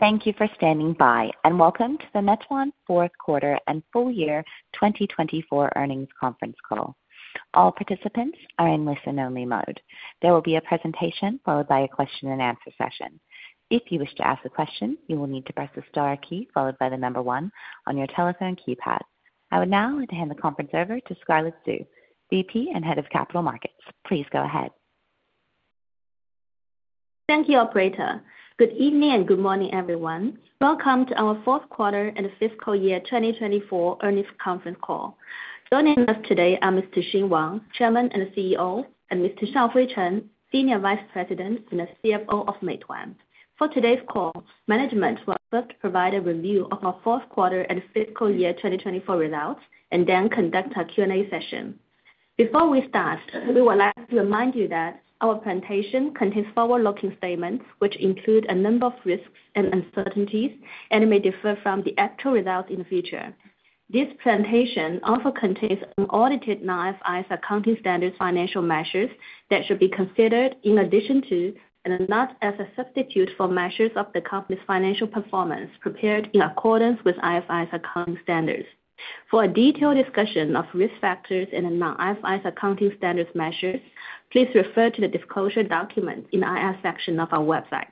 Thank you for standing by and welcome to the Meituan fourth quarter and full year 2024 earnings conference call. All participants are in listen only mode. There will be a presentation followed by a question and answer session. If you wish to ask a question, you will need to press the star key followed by the number one on your telephone keypad. I would now like to hand the conference over to Scarlett Xu, VP and Head of Capital Markets. Please go ahead. Thank you operator. Good evening and good morning everyone. Welcome to our fourth quarter and fiscal year 2024 earnings conference call. Joining us today are Mr. Xing Wang, Chairman and CEO, and Mr. Shaohui Chen, Senior Vice President and the CFO of Meituan. For today's call, management will first provide a review of our fourth quarter and fiscal year 2024 results and then conduct a Q and A session. Before we start, we would like to remind you that our presentation contains forwardlooking statements which include a number of risks and uncertainties and may differ from the actual results in the future. This presentation also contains unaudited IFRS accounting standards financial measures that should be considered in addition to and not as a substitute for measures of the company's financial performance prepared in accordance with IFRS accounting standards. For a detailed discussion of risk factors and non-IFRS accounting standards measures, please refer to the disclosure document in the IR section of our website.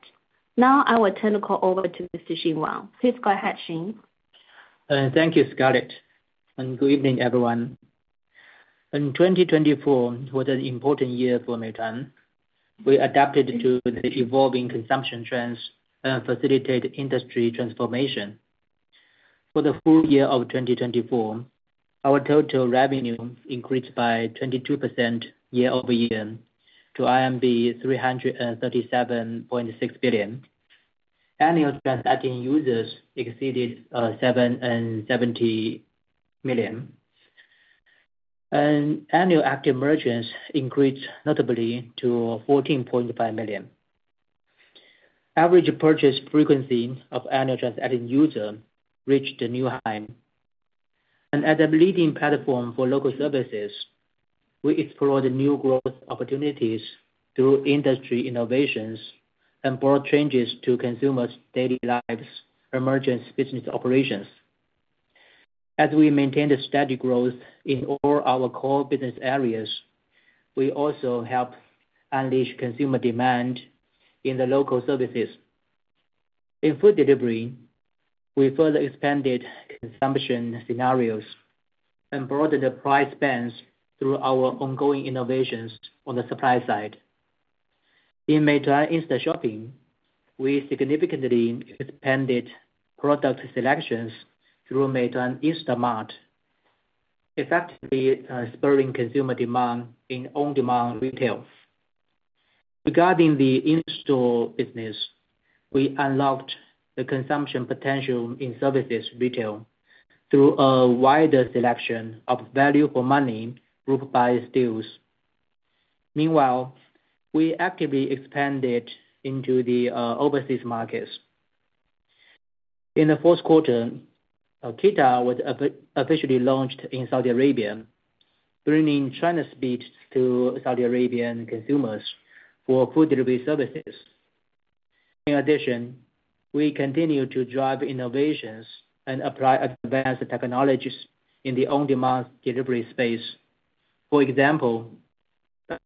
Now I will turn the call over. To Mr. Xing Wang. Please go ahead. Thank you, Scarlett, and good evening, everyone. 2024 was an important year for Meituan. We adapted to the evolving consumption trends and facilitated industry transformation. For the full year of 2024, our total revenue increased by 22% year over year to 337.6 billion. Annual transacting users exceeded 770 million and annual active merchants increased notably to 14.5 million. Average purchase frequency of energized active user reached a new height, and as a leading platform for local services, we explored new growth opportunities through industry innovations and broad changes to consumers' daily lives. Emerging business operations, as we maintained steady growth in all our core business areas, we also helped unleash consumer demand in the local services. In food delivery, we further expanded consumption scenarios and broadened the price bands through our ongoing innovations on the supply side. In Meituan Instashopping, we significantly expanded product selections through an Meituan Lightning Warehouse, effectively spurring consumer demand in on-demand retail. Regarding the in-store business, we unlocked the consumption potential in services retail through a wider selection of value-for-money group buy deals. Meanwhile, we actively expanded into the overseas markets. In the fourth quarter, KeeTa was officially launched in Saudi Arabia, bringing China speed to Saudi Arabian consumers for food delivery services. In addition, we continue to drive innovations and apply advanced technologies in the on-demand delivery space. For example,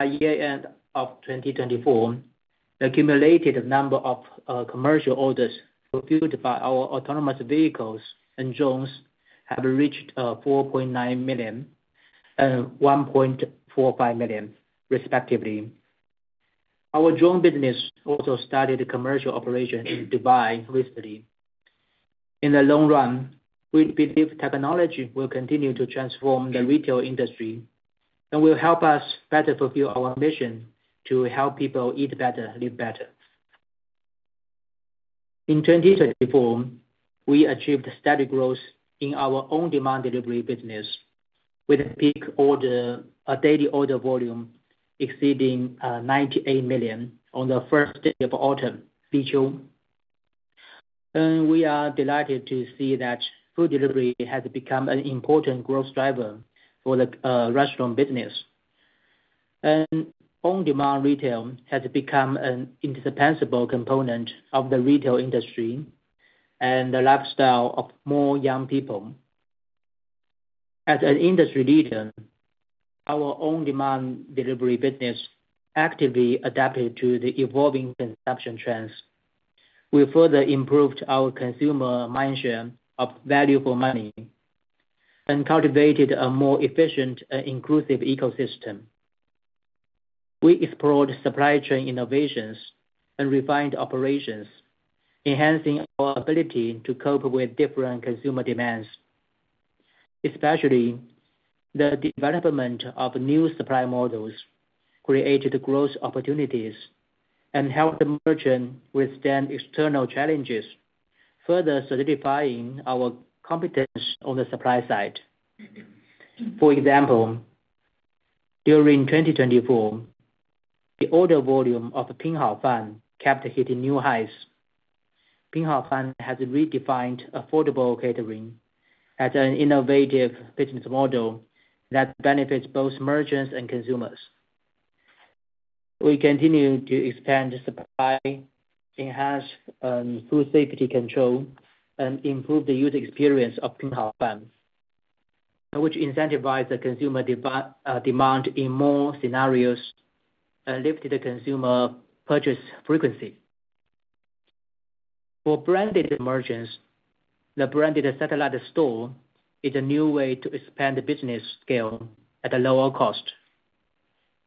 year end of 2024, the accumulated number of commercial orders fulfilled by our autonomous delivery vehicles and drones have reached 4.9 million and 1.45 million respectively. Our drone business also started commercial operations in Dubai recently. In the long run, we believe technology will continue to transform the retail industry and will help us better fulfill our mission to help people eat better, live better. In 2024, we achieved steady growth in our on demand delivery business with peak daily order volume exceeding 98 million on the first day of autumn. We are delighted to see that food delivery has become an important growth driver for the restaurant business. On demand retail has become an indispensable component of the retail industry and the lifestyle of more young people. As an industry leader, our on demand delivery business actively adapted to the evolving consumption trends. We further improved our consumer mindset of value for money and cultivated a more efficient and inclusive ecosystem. We explored supply chain innovations and refined operations, enhancing our ability to cope with different consumer demands. Especially, the development of new supply models created growth opportunities and helped the merging with withstand external challenges, further solidifying our competence on the supply side. For example, during 2024 the order volume of Pin Hao Fan kept hitting new highs. Pin Hao Fan has redefined affordable catering as an innovative business model that benefits both merchants and consumers. We continue to expand supply, enhance food safety control and improve the user experience of Pin Hao Fan, which incentivize the consumer demand in more scenarios and lift the consumer purchase frequency. For branded merchants, the branded satellite store is a new way to expand the business scale at a lower cost.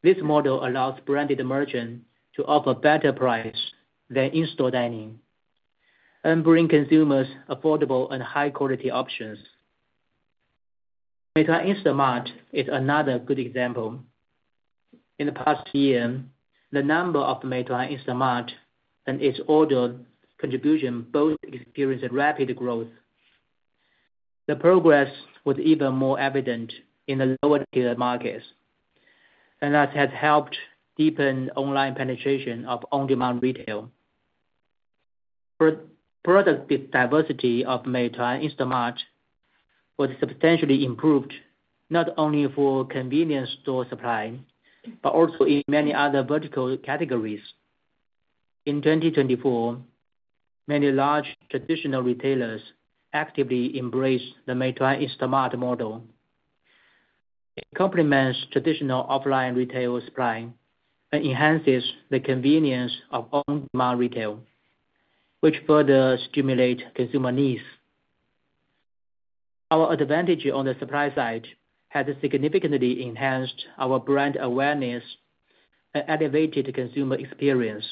This model allows branded merchants to offer better price than in-store dining and bring consumers affordable and high quality options. Meituan Instashopping is another good example. In the past year, the number of Meituan Instashopping and its order contribution both experienced rapid growth. The progress was even more evident in the lower tier markets and that has helped deepen online penetration of on-demand retail. Product diversity of Meituan Instashopping was substantially improved not only for convenience store supply but also in many other vertical categories. In 2024, many large traditional retailers actively embrace the Meituan Instashopping model. It complements traditional offline retail supply and enhances the convenience of on-demand retail, which further stimulates consumer needs. Our advantage on the supply side has significantly enhanced our brand awareness and elevated consumer experience.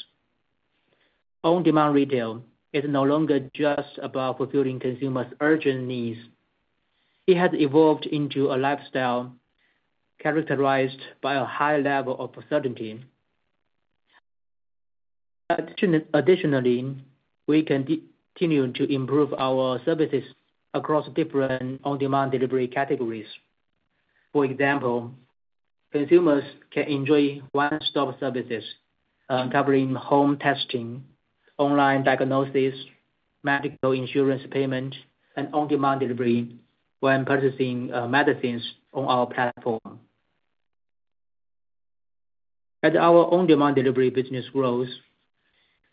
On-demand retail is no longer just about fulfilling consumers' urgent needs. It has evolved into a lifestyle characterized by a high level of certainty. Additionally, we continue to improve our services across different on-demand delivery categories. For example, consumers can enjoy one-stop services covering home testing, online diagnosis, medical insurance payment, and on-demand delivery when purchasing medicines on our platform. As our on-demand delivery business grows,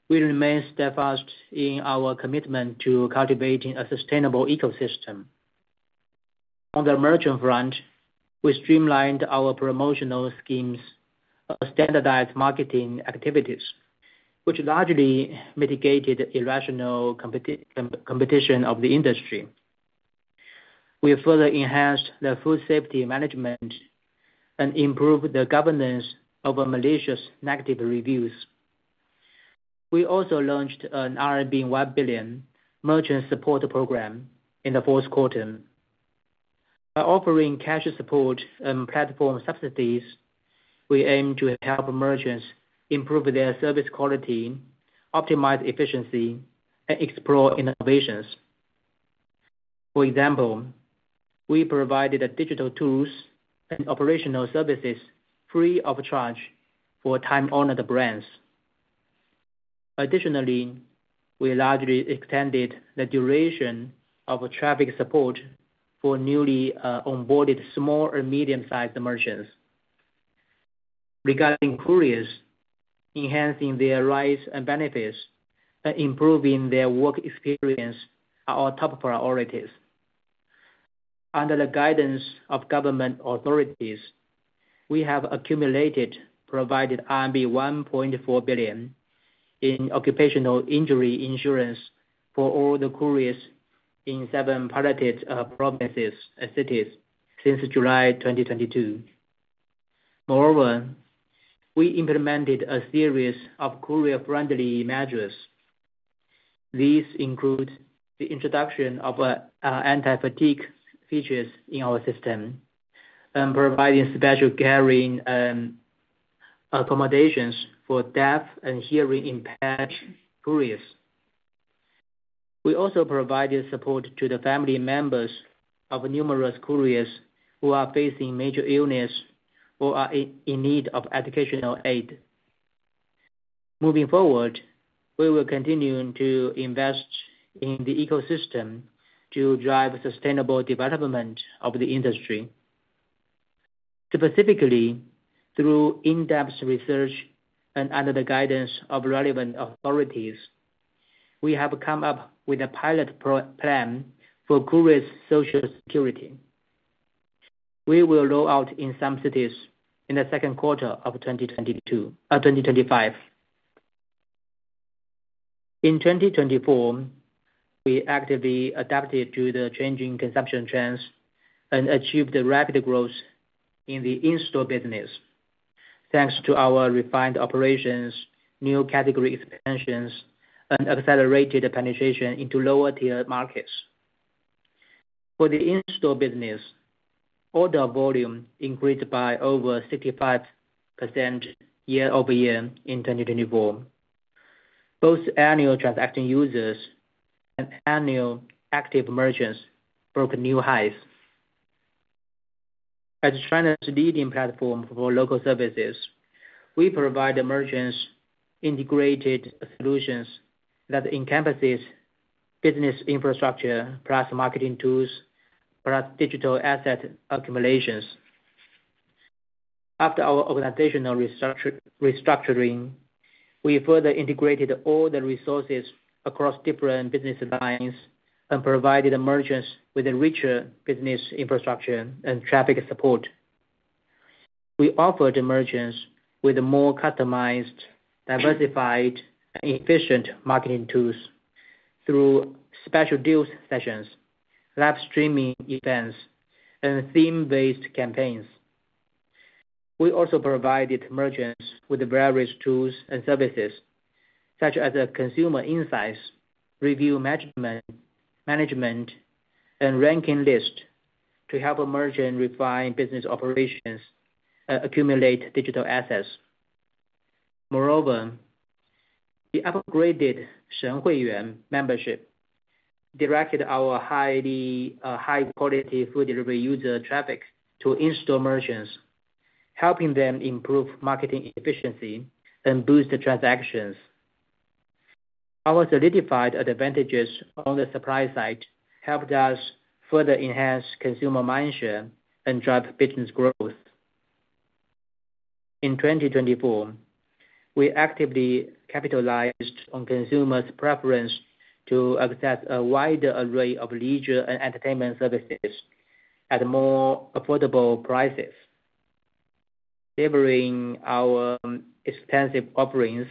we remain steadfast in our commitment to cultivating a sustainable ecosystem. On the merchant front, we streamlined our promotional schemes and standardized marketing activities, which largely mitigated irrational competition of the industry. We further enhanced the food safety management and improved the governance of malicious negative reviews. We also launched an 1 billion merchant support program in the fourth quarter. By offering cash support and platform subsidies, we aim to help merchants improve their service quality, optimize efficiency, and explore innovations. For example, we provided digital tools and operational services free of charge for time-honored brands. Additionally, we largely extended the duration of traffic support for newly onboarded small and medium-sized merchants. Regarding couriers, enhancing their rights and benefits and improving their work experience are our top priorities. Under the guidance of government authorities, we have provided RMB 1.4 billion in occupational injury insurance for all the couriers in seven piloted provinces and cities since July 2022. Moreover, we implemented a series of courier-friendly measures. These include the introduction of anti-fatigue features in our system, providing special caring accommodations for deaf and hearing-impaired couriers. We also provided support to the family members of numerous couriers who are facing major illness or are in need of educational aid. Moving forward, we will continue to invest in the ecosystem to drive sustainable development of the industry. Specifically, through in-depth research and under the guidance of relevant authorities, we have come up with a pilot plan for couriers' Social Security. We will roll out in some cities in the second quarter of 2022. In 2024, we actively adapted to the changing consumption trends and achieved rapid growth in the in-store business thanks to our refined operations, new category expansions, and accelerated penetration into lower-tier markets. For the in-store business, order volume increased by over 65% year over year. In 2024, both annual transaction users and annual active merchants broke new highs. As China's leading platform for local services, we provide merchants integrated solutions that encompass business infrastructure plus marketing tools plus digital asset accumulations. After our organizational restructuring, we further integrated all the resources across different business lines and provided merchants with a richer business infrastructure and traffic support. We offered merchants more customized, diversified, efficient marketing tools through special deals, sessions, live streaming events, and theme-based campaigns. We also provided merchants with various tools and services such as consumer insights, review management and ranking list to help merchants refine business operations and accumulate digital assets. Moreover, the upgraded Shen Hui Yuan membership directed our high quality food delivery user traffic to in store merchants, helping them improve marketing efficiency and boost transactions. Our solidified advantages on the supply side helped us further enhance consumer mind share and drive business growth. In 2024, we actively capitalized on consumers' preference to access a wider array of leisure and entertainment services at more affordable prices, delivering our extensive offerings,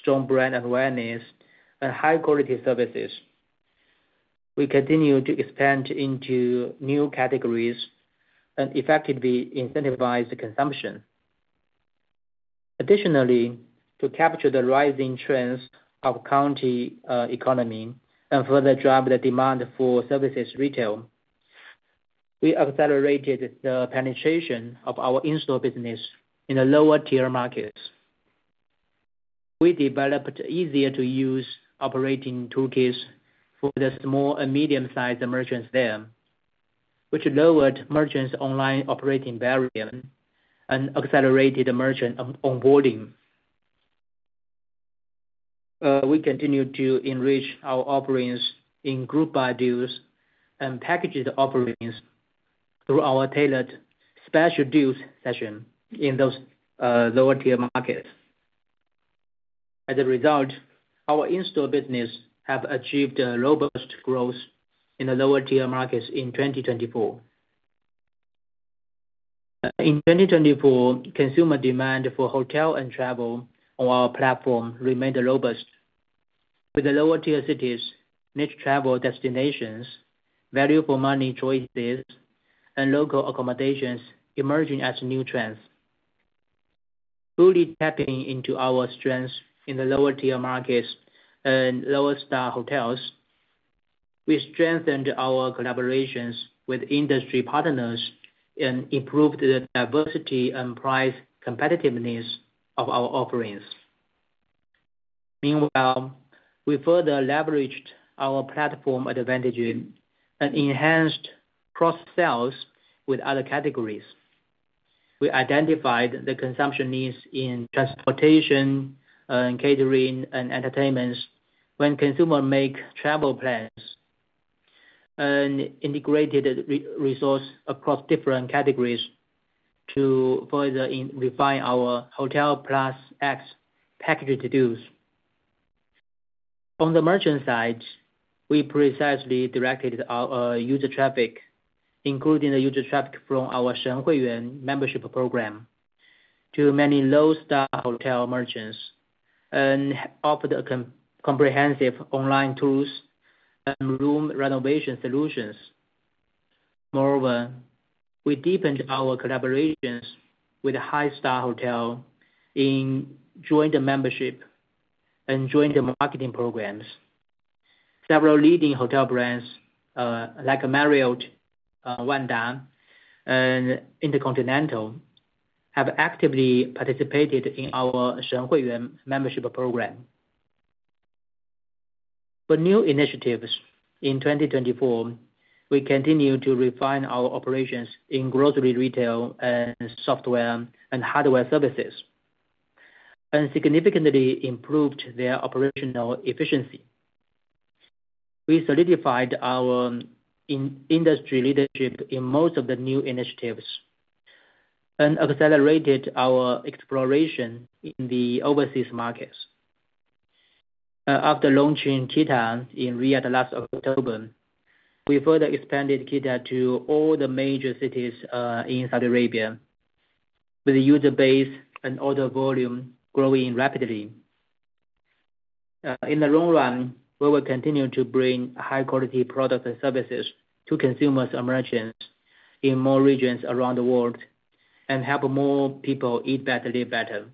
strong brand awareness and high quality services. We continue to expand into new categories and effectively incentivize consumption. Additionally, to capture the rising trends of county economy and further drive the demand for services retail, we accelerated the penetration of our in store business in the lower tier markets. We developed easier to use operating toolkits for the small and medium sized merchants there, which lowered merchants' online operating barrier and accelerated merchant onboarding. We continue to enrich our offerings in group buy deals and packaged offerings through our tailored special deals session in those lower tier markets. As a result, our in-store business has achieved robust growth in the lower tier markets in 2024. In 2024, consumer demand for hotel and travel on our platform remained robust, with the lower tier cities, niche travel destinations, value for money choices, and local accommodations emerging as new trends. Fully tapping into our strengths in the lower tier markets and lower star hotels, we strengthened our collaborations with industry partners and improved the diversity and price competitiveness of our offerings. Meanwhile, we further leveraged our platform advantages and enhanced cross sales with other categories. We identified the consumption needs in transportation, catering and entertainment when consumers make travel plans and integrated resources across different categories. To further refine our hotel plus X package to-dos. On the merchant side, we precisely directed our user traffic, including the user traffic from our Shen Hui Yuan membership program to many low star hotel merchants and offered comprehensive online tours and room renovation solutions. Moreover, we deepened our collaborations with high star hotels in joint membership and joint marketing programs. Several leading hotel brands like Marriott, Wyndham and InterContinental have actively participated in our Shen Hui Yuan membership program for new initiatives. In 2024, we continue to refine our operations in grocery, retail, software and hardware services and significantly improved their operational efficiency. We solidified our industry leadership in most of the new initiatives and accelerated our exploration in the overseas markets. After launching KeeTa in Riyadh last October, we further expanded KeeTa to all the major cities in Saudi Arabia, with user base and order volume growing rapidly. In the long run, we will continue to bring high quality products and services to consumers and merchants in more regions around the world and help more people eat better, live better.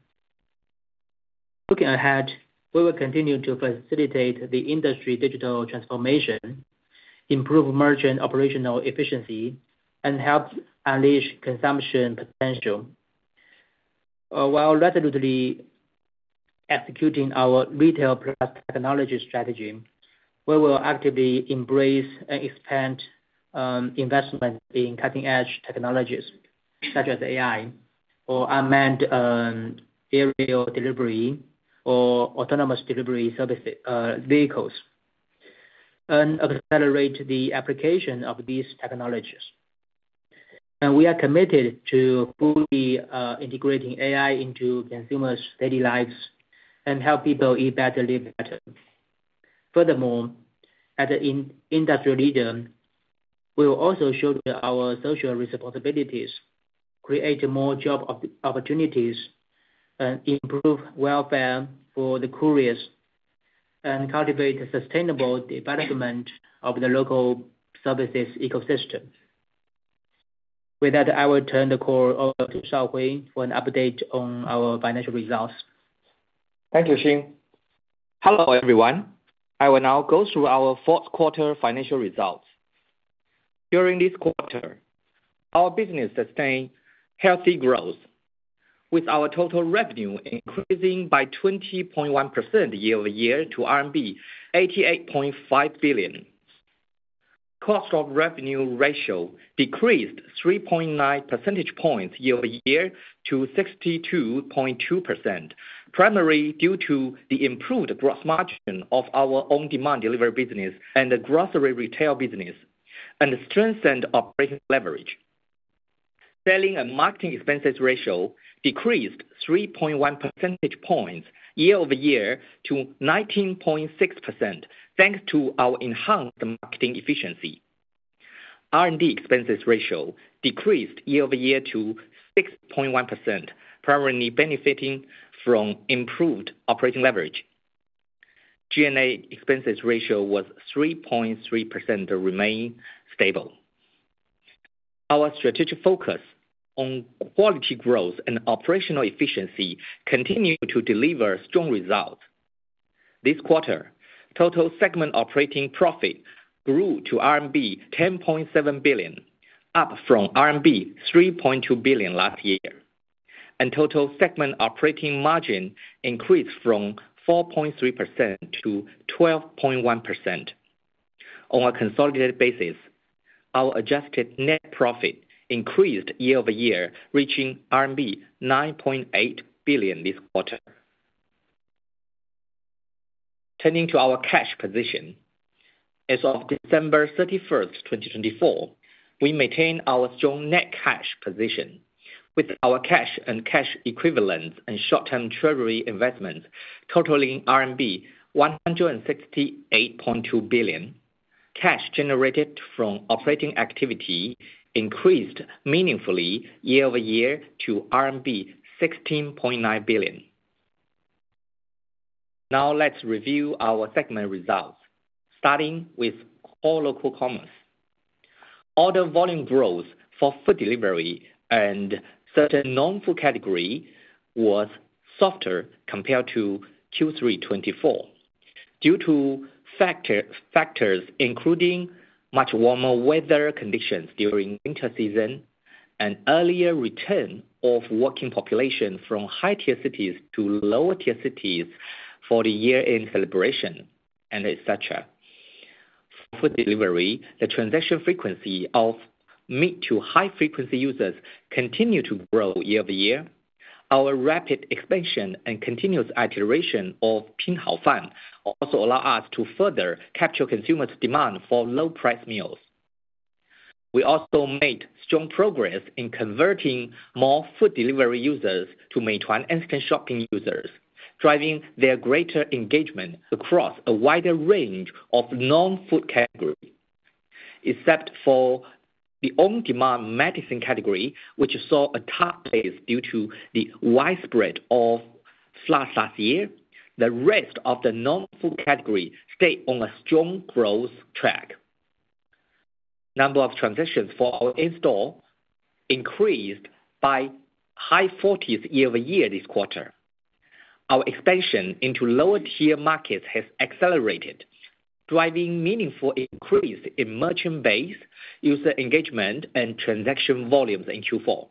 Looking ahead, we will continue to facilitate the industry digital transformation, improve merchant operational efficiency and help unleash consumption potential. While resolutely executing our retail technology strategy, we will actively embrace and expand investment in cutting edge technologies such as AI or unmanned aerial delivery or autonomous delivery vehicles and accelerate the application of these technologies, and we are committed to fully integrating AI into consumers' daily lives and help people eat better, live better. Furthermore, as an industry leader, we will also show our social responsibilities, create more job opportunities, improve welfare for the couriers and cultivate a sustainable development of the local services ecosystem. With that, I will turn the call over to Xiaohui for an update on our financial results. Thank you Xin. Hello everyone. I will now go through our fourth quarter financial results. During this quarter our business sustained healthy growth with our total revenue increasing by 20.1% year over year to RMB 88.5 billion. Cost of revenue ratio decreased 3.9 percentage points year over year to 62.2% primarily due to the improved gross margin of our on-demand delivery business and the grocery retail business and strengthened operating leverage. Selling and marketing expenses ratio decreased 3.1 percentage points year over year to 19.6% thanks to our enhanced marketing efficiency. R&D expenses ratio decreased year over year to 6.1% primarily benefiting from improved operating leverage. G&A expenses ratio was 3.3%, remain stable. Our strategic focus on quality growth and operational efficiency continue to deliver strong results this quarter. Total segment operating profit grew to RMB 10.7 billion, up from RMB 3.2 billion last year, and total segment operating margin increased from 4.3% to 12.1%. On a consolidated basis, our adjusted net profit increased year over year, reaching RMB 9.8 billion this quarter. Turning to our cash position, as of December 31, 2024, we maintained our strong net cash position with our cash and cash equivalents and short-term treasury investments totaling RMB 168.2 billion. Cash generated from operating activity increased meaningfully year over year to RMB 16.9 billion. Now let's review our segment results, starting with Core Local Commerce. Order volume growth for food delivery and certain non-food category was softer compared to Q3 2024 due to factors including much warmer weather conditions during winter season, an earlier return of working population from high tier cities to lower tier cities for the year-end celebration, and etc. For food delivery. The transaction frequency of mid to high frequency users continue to grow year over year. Our rapid expansion and continuous iteration of Pin Hao Fan also allow us to further capture consumers' demand for low priced meals. We also made strong progress in converting more food delivery users to Meituan Instashopping users, driving their greater engagement across a wider range of non food categories. Except for the on demand medicine category, which saw a tough base due to the widespread of floods last year, the rest of the non food category stay on a strong growth track. Number of transactions for our in store increased by high 40s % year over year this quarter. Our expansion into lower tier markets has accelerated, driving meaningful increase in merchant base, user engagement and transaction volumes in Q4.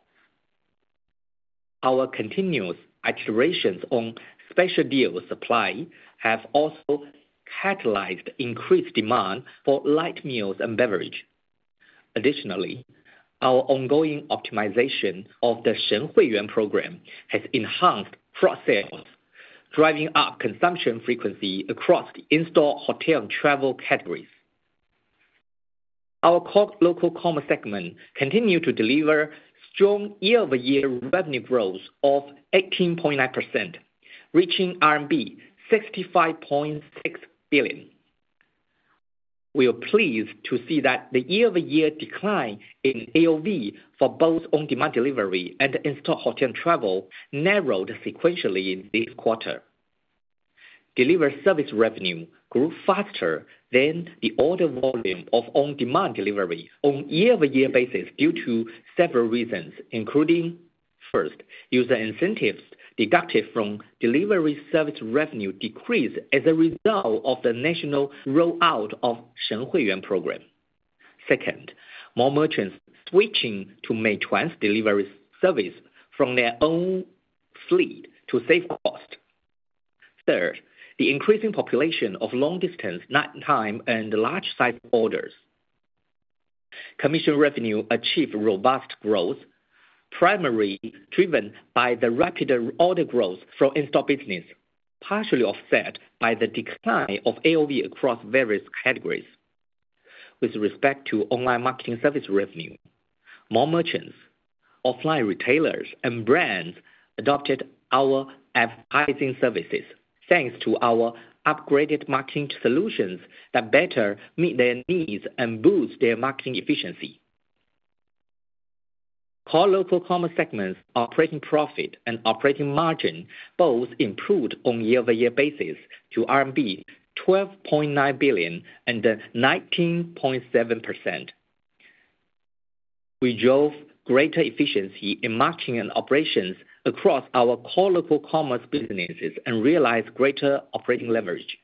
Our continuous iterations on special deal supply have also catalyzed increased demand for light meals and beverages. Additionally, our ongoing optimization of the Shen Hui Yuan program has enhanced cross sales, driving up consumption frequency across the in-store hotel travel categories. Our local commerce segment continued to deliver strong year-over-year revenue growth of 18.9%, reaching RMB 65.6 billion. We are pleased to see that the year-over-year decline in AOV for both on-demand delivery and in-store hotel travel narrowed sequentially in this quarter. Delivery service revenue grew faster than the order volume of on-demand delivery on a year-over-year basis due to several reasons including, first, user incentives deducted from delivery service revenue decreased as a result of the national rollout of the Shen Hui Yuan program. Second, more merchants switching to Meituan's delivery service from their own fleet to save cost. Third, the increasing population of long distance, nighttime and large size orders. Commission revenue achieved robust growth primarily driven by the rapid order growth from in store business, partially offset by the decline of AOV across various categories. With respect to online marketing service revenue, more merchants, offline retailers and brands adopted our advertising services thanks to our upgraded marketing solutions that better meet their needs and boost their marketing efficiency. Core local commerce segments operating profit and operating margin both improved on year over year basis to RMB 12.9 billion and 19.7%. We drove greater efficiency in marketing and operations across our core local commerce businesses and realized greater operating leverage.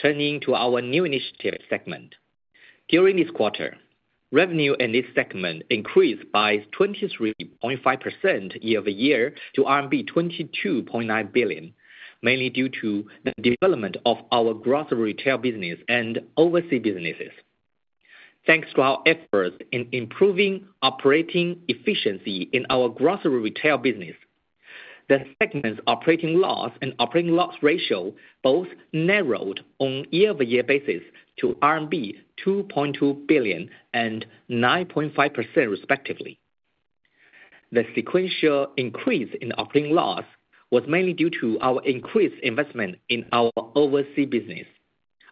Turning to our new initiative segment, during this quarter revenue in this segment increased by 23.5% year over year to RMB 22.9 billion, mainly due to the development of our grocery retail business and overseas businesses. Thanks to our efforts in improving operating efficiency in our grocery retail business, the segment's operating loss and operating loss ratio both narrowed on a year-over-year basis to RMB 2.2 billion and 9.5% respectively. The sequential increase in operating loss was mainly due to our increased investment in our overseas business,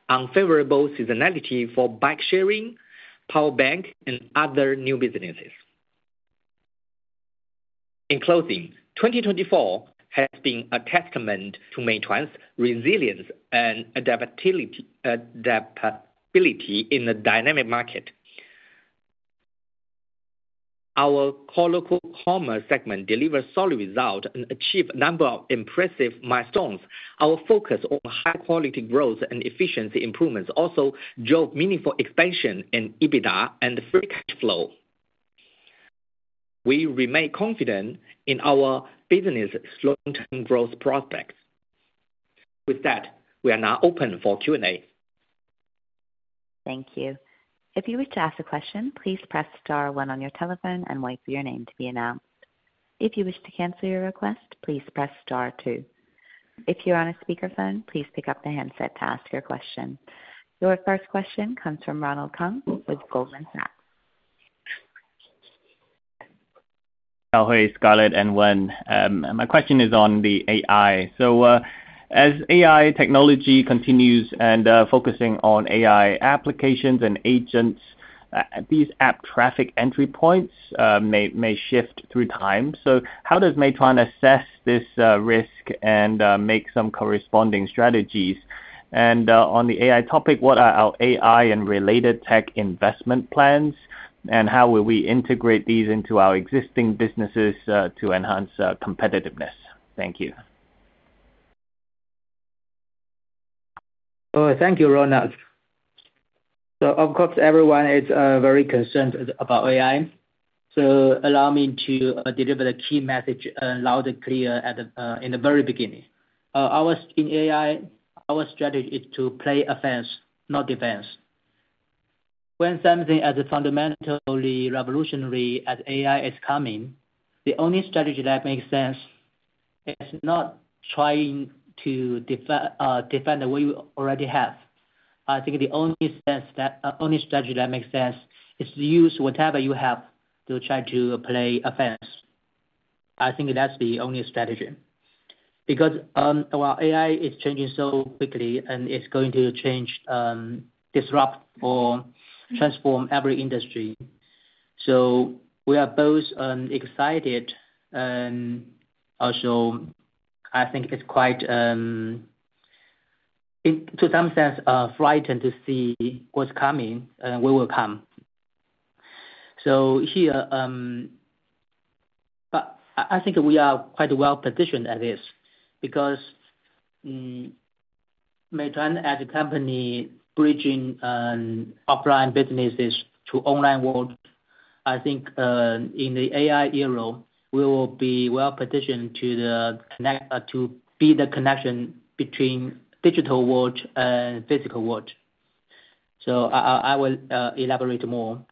unfavorable seasonality for bike-sharing, power bank, and other new businesses. In closing, 2024 has been a testament to Meituan's resilience and adaptability in the dynamic market. Our core local commerce segment delivers solid results and achieved a number of impressive milestones. Our focus on high-quality growth and efficiency improvements also drove meaningful expansion in EBITDA and free cash flow. We remain confident in our business long-term growth prospects. With that, we are now open for Q and A. Thank you. If you wish to ask a question, please press Star one on your telephone and wait for your name to be announced. If you wish to cancel your request, please press Star two. If you're on a speakerphone, please pick up the handset to ask your question. Your first question comes from Ronald Keung. With Goldman Sachs, Scarlett and Wang. My question is on the AI so as AI technology continues and focusing on AI applications and agents, these app traffic entry points may shift through time. How does Meituan assess this risk. Make some corresponding strategies? On the AI topic, what are our AI and related tech investment plans and how will we integrate these into our existing businesses to enhance competitiveness? Thank you. Thank you Ronald. Of course everyone is very concerned about AI, so allow me to deliver the key message loud and clear. In the very beginning I was in AI, our strategy is to play offense, not defense. When something as fundamentally revolutionary as AI is coming, the only strategy that makes sense is not trying to defend what we already have. I think the only strategy that makes sense is to use whatever you have to try to play offense. I think that's the only strategy because AI is changing so quickly and it's going to change, disrupt or transform every industry. We are both excited. Also I think it's quite to some sense frightening to see what's coming. We will come to here. I think we are quite well positioned at this because Meituan as a company bridges offline businesses to the online world. I think in the AI era we will be well positioned to be the connection between the digital world and the physical world. I will elaborate more.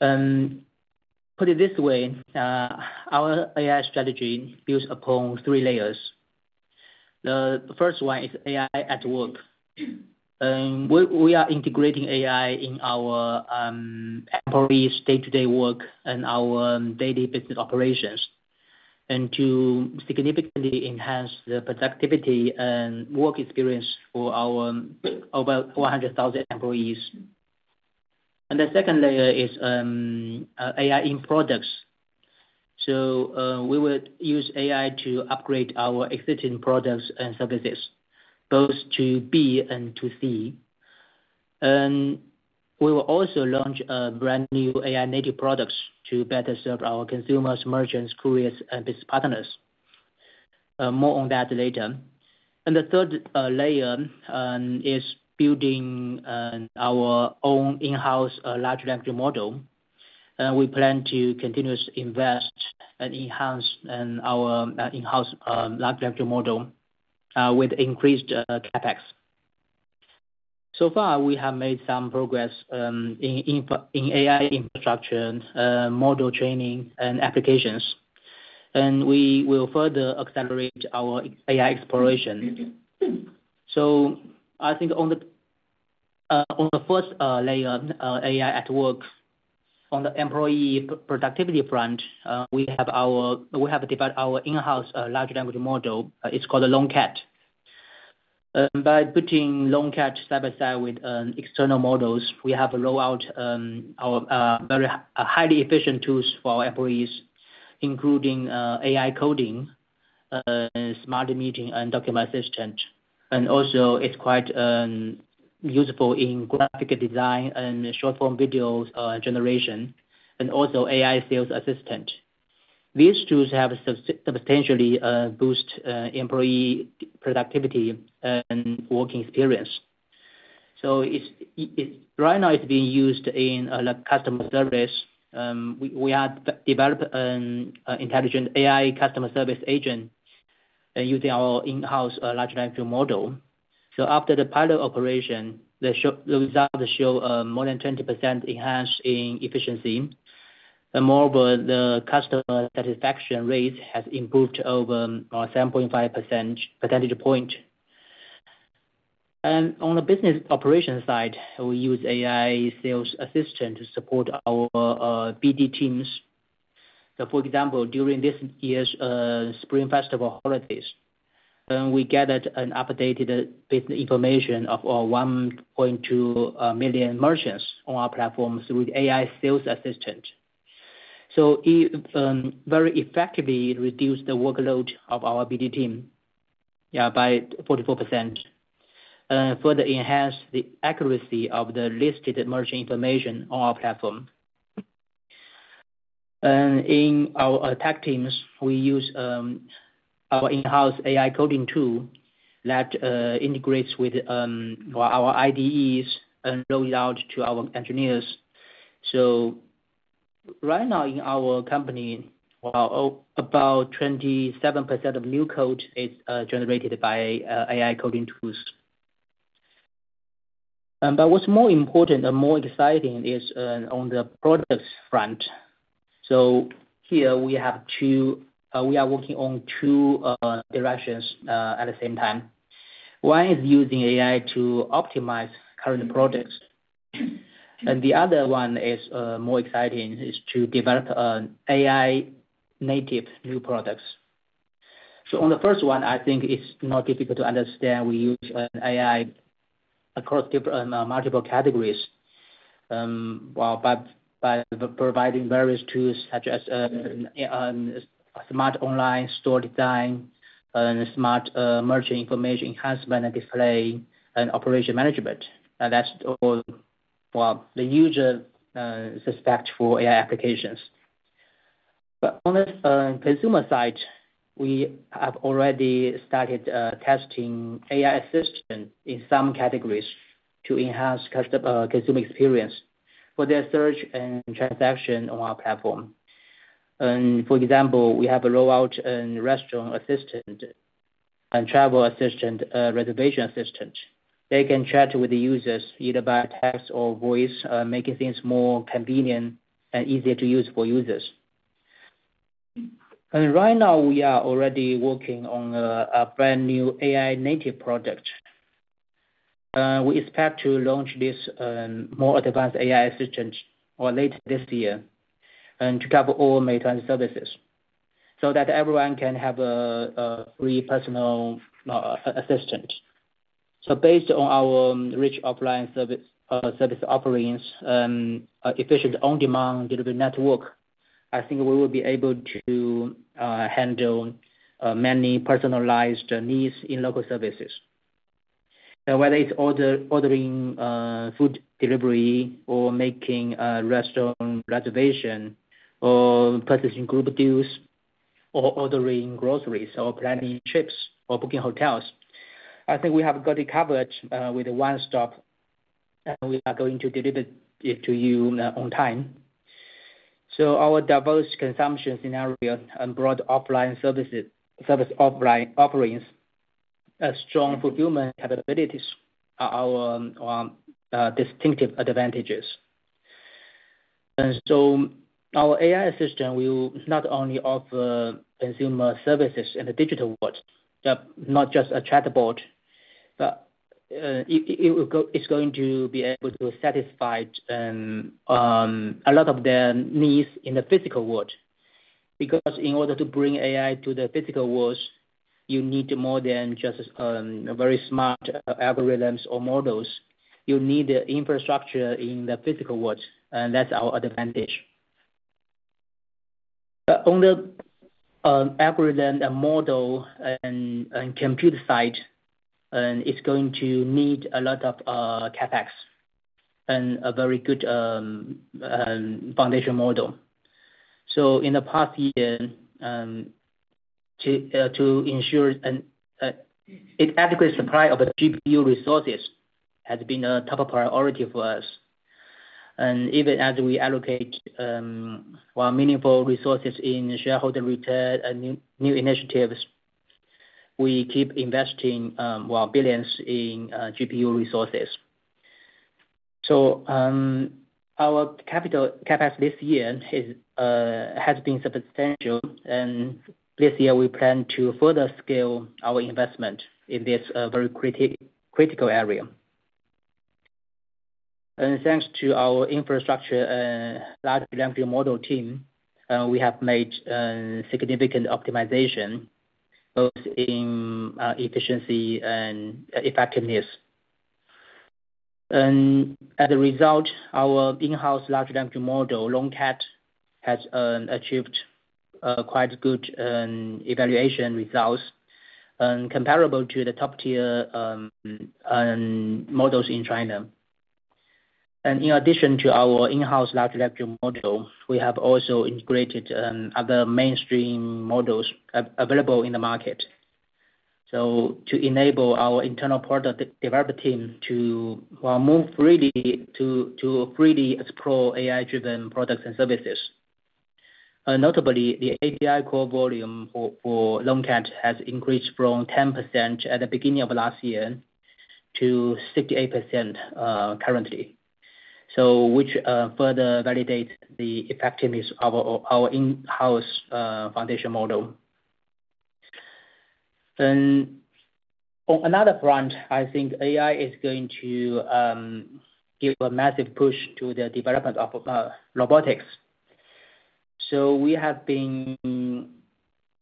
Put it this way, our AI strategy builds upon three layers. The first one is AI at work. We are integrating AI in our employees' day-to-day work and our daily business operations to significantly enhance the productivity and work experience for our over 100,000 employees. The second layer is AI in products. We will use AI to upgrade our existing products and services both to B and to C. We will also launch brand new AI native products to better serve our consumers, merchants, couriers, and business partners. More on that later. The third layer is building our own in-house large language model. We plan to continuously invest and enhance our in-house large model with increased CapEx. So far we have made some progress in AI infrastructure, model training, and applications, and we will further accelerate our AI exploration. I think on the first layer, AI at work. On the employee productivity front, we have developed our in-house large language model. It's called Lonecat. By putting Lonecat side by side with external models, we have rolled out very highly efficient tools for employees including AI coding, smart meeting and document assistant. Also, it's quite useful in graphic design and short form video generation and also AI sales assistant. These tools have substantially boosted employee productivity and working experience. Right now it's being used in customer service. We had developed an intelligent AI customer service agent and using our in-house large language model. After the pilot operation, the result showed more than 20% enhance in efficiency. Moreover, the customer satisfaction rate has improved over 7.5 percentage points. On the business operations side, we use AI sales assistant to support our BD teams. For example, during this year's Spring Festival holidays, we gathered updated business information of 1.2 million merchants on our platform through the AI sales assistant. It very effectively reduced the workload of our BD team by 44%. Further, it enhanced the accuracy of the listed merchant information on our platform. In our tech teams, we use our in-house AI coding tool that integrates with our IDEs and rolled it out to our engineers. Right now in our company, about 27% of new code is generated by AI coding tools. What's more important and more exciting is on the products front. Here we are working on two directions at the same time. One is using AI to optimize current projects and the other one, which is more exciting, is to develop AI native new products. On the first one, I think it's not difficult to understand. We use AI across multiple categories by providing various tools such as smart online store design and smart merchant information enhancement and display and operation management. That's all the user suspects for AI applications. On the consumer side, we have already started testing AI assistant in some categories to enhance consumer experience for their search and transaction. On our platform, for example, we have a rollout and restaurant assistant and travel assistant reservation assistant. They can chat with the users either by text or voice, making things more convenient and easier to use for users. Right now we are already working on a brand new AI native project. We expect to launch this more advanced AI assistant later this year and to cover all maintenance services so that everyone can have a free personal assistant. Based on our rich offline service offerings, efficient on-demand delivery network, I think we will be able to handle many personalized needs in local services. Whether it's ordering food delivery or making a restaurant reservation, or purchasing group deals, or ordering groceries or planning trips or booking hotels, I think we have got it covered with one stop and we are going to deliver it to you on time. Our diverse consumption scenario and broad offline services, offline offerings, strong fulfillment capabilities are our distinctive advantages. Our AI system will not only offer consumer services in the digital world, not just a chatbot, but it is going to be able to satisfy a lot of their needs in the physical world. Because in order to bring AI to the physical world, you need more than just very smart algorithms or models, you need infrastructure in the physical world. That is our advantage on the algorithm model and computer side. It is going to need a lot of CapEx and a very good foundation model. In the past year to ensure adequate supply of GPU resources has been a top priority for us. Even as we allocate meaningful resources in shareholder return and new initiatives, we keep investing billions in GPU resources. Our CapEx this year has been substantial. This year we plan to further scale our investment in this very critical area. Thanks to our infrastructure large language model team, we have made significant optimization both in efficiency and effectiveness. As a result, our in-house large language model Lonecat has achieved quite good evaluation results comparable to the top tier models in China. In addition to our in-house large language model, we have also integrated other mainstream models available in the market to enable our internal product development team to freely explore AI-driven products and services. Notably, the API call volume for Lonecat has increased from 10% at the beginning of last year to 68% currently, which further validates the effectiveness of our in-house foundation model. I think AI is going to give a massive push to the development of robotics. We have been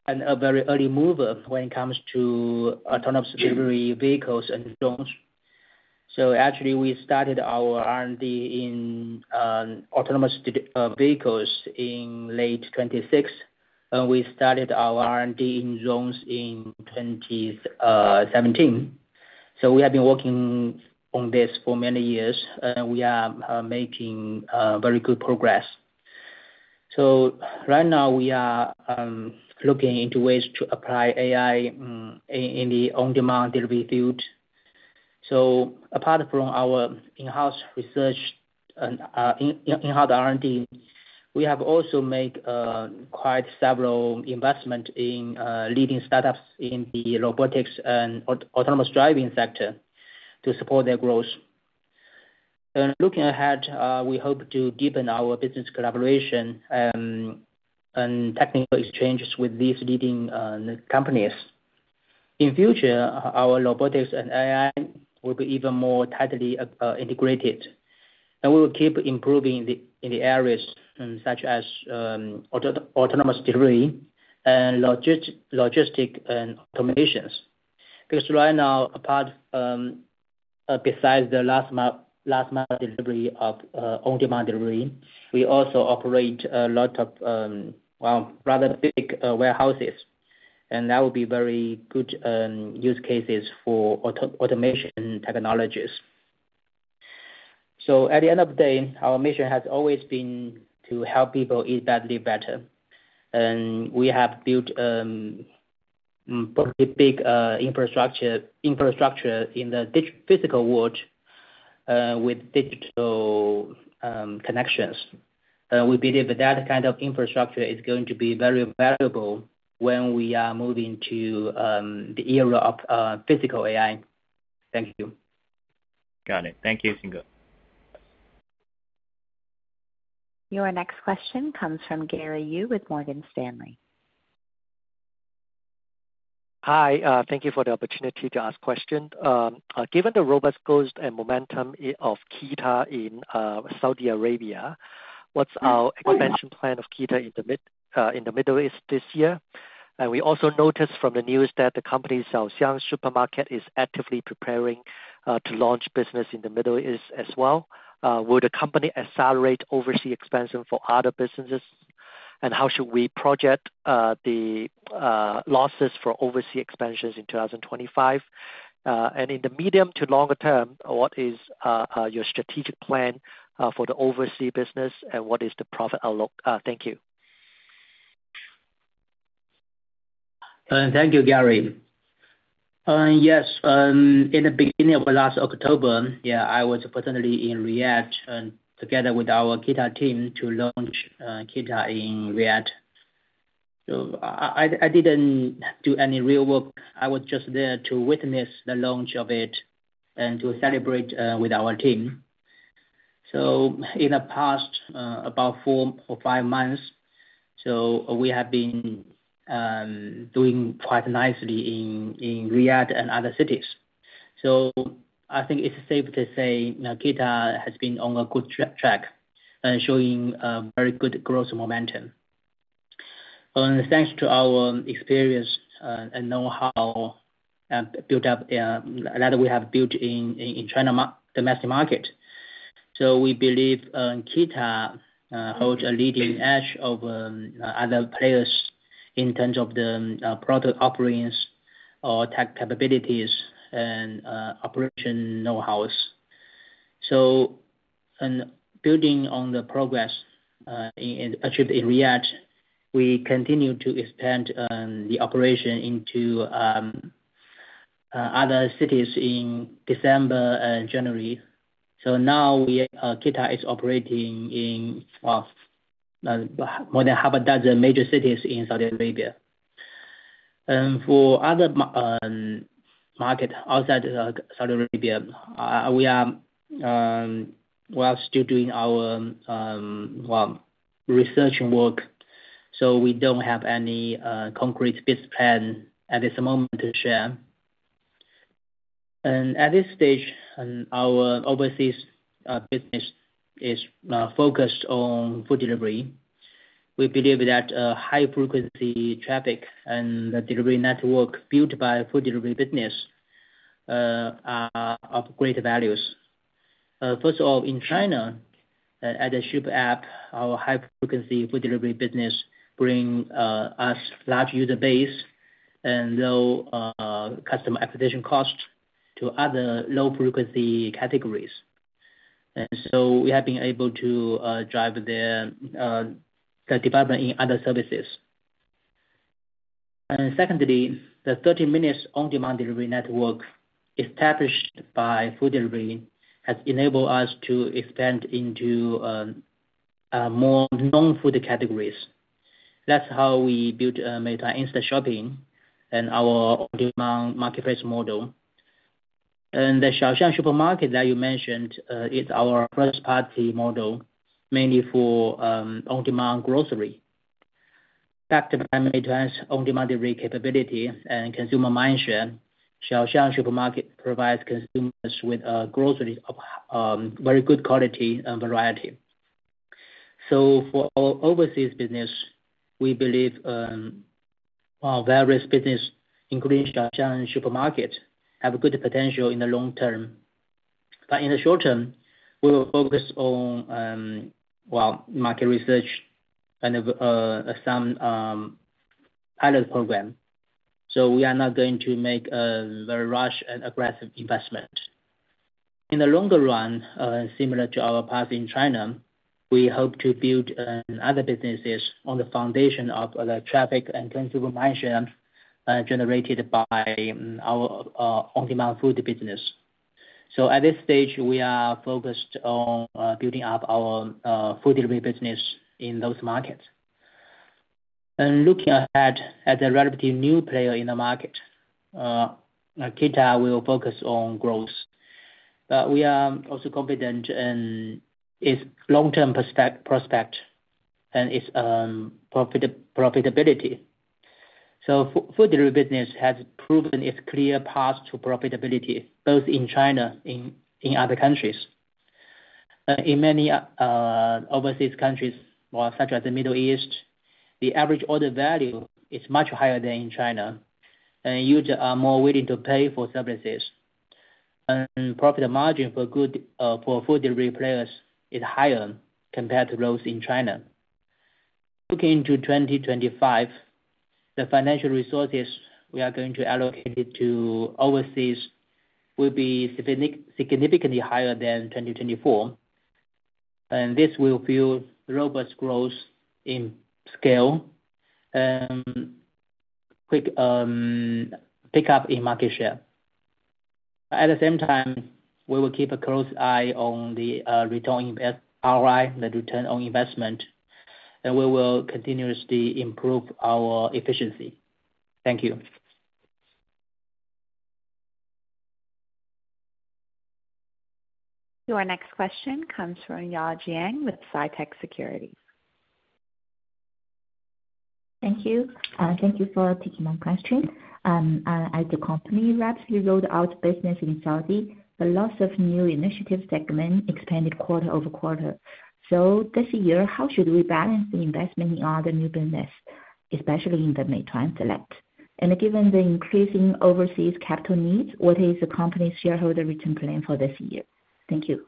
a very early mover when it comes to autonomous delivery vehicles and drones. Actually, we started our R&D in autonomous vehicles in late 2016 and we started our R&D in drones in 2017. We have been working on this for many years and we are making very good progress. Right now we are looking into ways to apply AI in the on-demand delivery field. Apart from our in-house research and in-house R&D, we have also made quite several investments in leading startups in the robotics and autonomous driving sector to support their growth. Looking ahead, we hope to deepen our business collaboration and technical exchanges with these leading companies. In future, our robotics and AI will be even more tightly integrated and we will keep improving in the areas such as autonomous delivery and logistics and automations. Because right now apart, besides the last mile delivery of on demand delivery, we also operate a lot of rather big warehouses and that will be very good use cases for automation technologies. At the end of the day, our mission has always been to help people eat badly better and we have built a big infrastructure in the physical world with digital connections. We believe that that kind of infrastructure is going to be very valuable when we are moving to the era of physical AI.Thank you. Got it. Thank you. Your next question comes from Gary Yu with Morgan Stanley. Hi. Thank you for the opportunity to ask questions. Given the robust goals and momentum of KeeTa in Saudi Arabia, what's our expansion plan of KeeTa in the Middle East this year? We also noticed from the news that the company Supermarket is actively preparing to launch business in the Middle East as well. Will the company accelerate overseas expansion for other businesses and how should we project the losses for overseas expansions in 2025 and in the medium to longer term, what is your strategic plan for the overseas business and what is the profit outlook? Thank you. Thank you. Gary. Yes, in the beginning of last October I was in Riyadh together with our KeeTa team to launch KeeTa in Riyadh, I didn't do any real work. I was just there to witness the launch of it and to celebrate with our team. In the past about four or five months, we have been doing quite nicely in Riyadh and other cities. I think it's safe to say KeeTa has been on a good track and showing very good growth momentum thanks to our experience and know-how built up that we have built in the China domestic market. We believe KeeTa holds a leading edge over other players in terms of the product offerings or tech capabilities and operation know-how. Building on the progress achieved in Riyadh, we continue to expand the operation into other cities in December and January. Now KeeTa is operating in more than half a dozen major cities in Saudi Arabia. For other markets outside Saudi Arabia we are still doing our research and work. We do not have any concrete business plan at this moment to share. At this stage our overseas business is focused on food delivery. We believe that high frequency traffic and the delivery network built by the food delivery business are of great value. First of all, in China at the flagship app, our high frequency food delivery business brings us a large user base and low customer acquisition cost to other low frequency categories. We have been able to drive the development in other services. Secondly, the 30 minutes on demand delivery network established by food delivery has enabled us to expand into more non-food categories. That is how we built Meituan Instant Shopping and our on demand marketplace model. The Xiaoxiang Supermarket that you mentioned is our first-party model mainly for on-demand grocery. Backed by Meituan's on-demand delivery capability and consumer mindshare, Xiaoxiang Supermarket provides consumers with groceries of very good quality and variety. For our overseas business, we believe various businesses including Xiaoxiang Supermarket have good potential in the long term. In the short term, we will focus on market research and some pilot programs. We are not going to make a very rushed and aggressive investment in the longer run. Similar to our path in China, we hope to build other businesses on the foundation of the traffic and consumer margin generated by our on-demand food business. At this stage we are focused on building up our food delivery business in those markets and looking ahead as a relatively new player in the market we will focus on growth. We are also confident in its long term prospect and its profitability. Food delivery business has proven its clear path to profitability both in China and in other countries. In many overseas countries such as the Middle East, the average order value is much higher than in China and users are more willing to pay for services. Profit margin for food delivery players is higher compared to those in China. Looking into 2025, the financial resources we are going to allocate to overseas will be significantly higher than 2024 and this will fuel robust growth in scale and quick pickup in market share. At the same time, we will keep a close eye on the return ROI, the return on investment and we will continuously improve our efficiency. Thank you. Our next question comes from Ya Jiang with CITIC Securities. Thank you. Thank you for taking my question. As the company rapidly rolled out business in Saudi Arabia, the lots of new initiative segment expanded quarter over quarter. This year how should we balance the investment in other new business, especially in the Meituan Select, and given the increasing overseas capital needs, what is the company's shareholder return plan for this year? Thank you.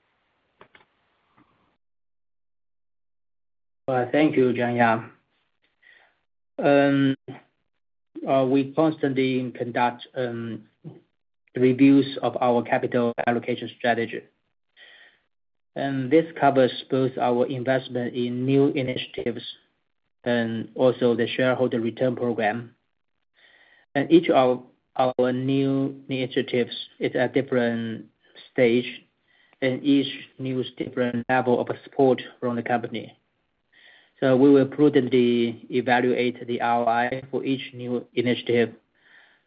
Thank you. Jiang Yao. We constantly conduct reviews of our capital allocation strategy and this covers both our investment in new initiatives and also the shareholder return program. Each of our new initiatives is at a different stage and each needs a different level of support from the company. We will prudently evaluate the ROI for each new initiative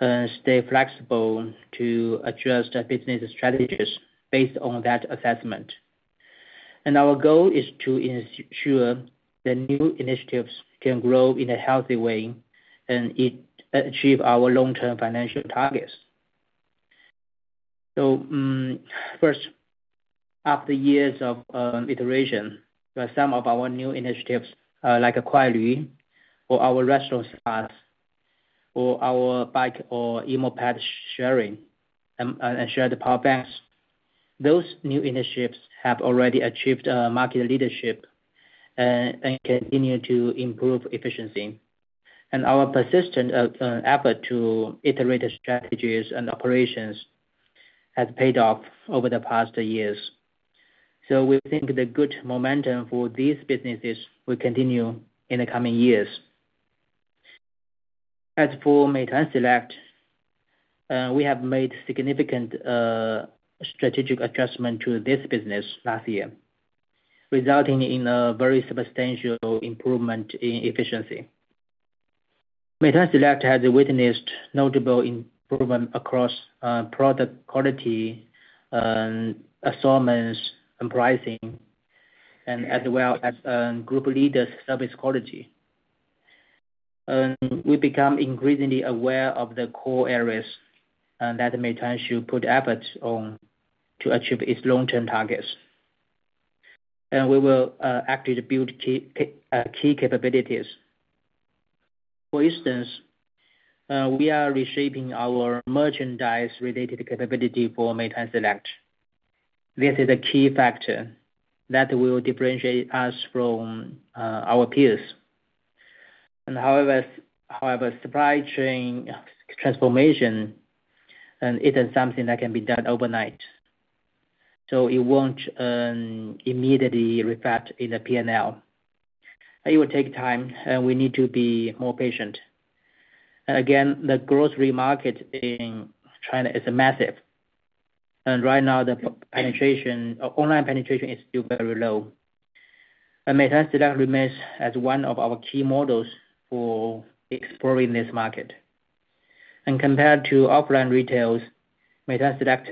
and stay flexible to adjust business strategies based on that assessment. Our goal is to ensure that new initiatives can grow in a healthy way and achieve our long term financial targets. First, after years of iteration, some of our new initiatives like Kuailv or our restaurant or our bike or moped sharing and Shared Power Banks, those new initiatives have already achieved market leadership and continue to improve efficiency. Our persistent effort to iterate strategies and operations has paid off over the past years. We think the good momentum for these businesses will continue in the coming years. As for Meituan Select, we have made significant strategic adjustment to this business last year resulting in a very substantial improvement in efficiency. Meituan Select has witnessed notable improvement across product quality, assortments and pricing, and as well as group leaders' service quality. We become increasingly aware of the core areas that Meituan should put efforts on to achieve its long term targets and we will actively build key capabilities. For instance, we are reshaping our merchandise related capability for Meituan Select. This is a key factor that will differentiate us from our peers. However, supply chain transformation is not something that can be done overnight, so it will not immediately reflect in the P and L. It will take time and we need to be more patient again. The grocery market in China is massive and right now the online penetration is still very low. Meituan Select remains as one of our key models for exploring this market and compared to offline retail, Meituan Select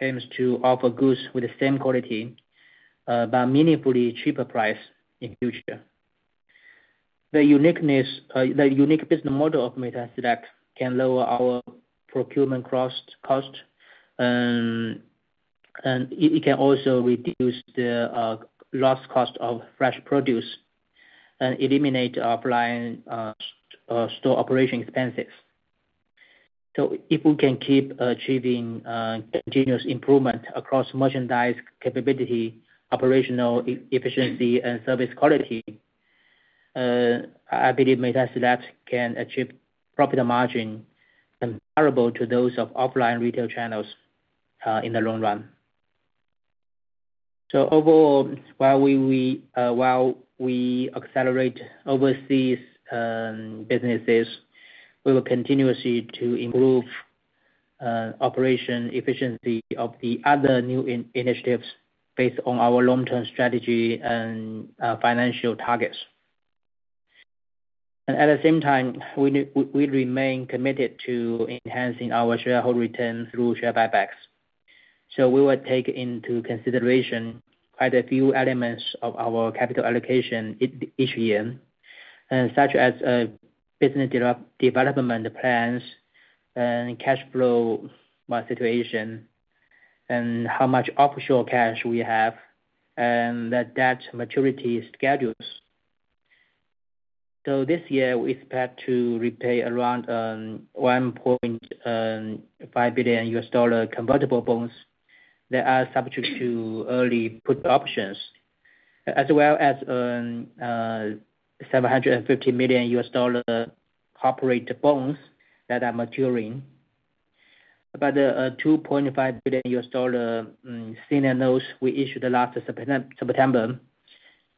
aims to offer goods with the same quality but meaningfully cheaper price in future. The unique business model of Meituan Select can lower our procurement cost and it can also reduce the lost cost of fresh produce and eliminate offline store operation expenses. If we can keep achieving continuous improvement across merchandise capability, operational efficiency and service quality, I believe Meituan Select can achieve profitable margin comparable to those of offline retail channels in the long run. Overall while we accelerate overseas businesses, we will continuously improve operation efficiency of the other new initiatives based on our long term strategy and financial targets. At the same time we remain committed to enhancing our shareholder return through share buybacks. We will take into consideration quite a few elements of our capital allocation each year such as business development plans and cash flow situation and how much offshore cash we have and the debt maturity schedules. This year we expect to repay around $1.5 billion U.S. dollar convertible bonds that are subject to early put options as well as $750 million U.S. dollar corporate bonds that are maturing. About the $2.5 billion U.S. dollar signal notes we issued last September,